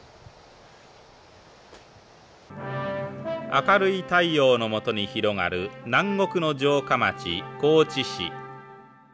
「明るい太陽のもとに広がる南国の城下町高知市」。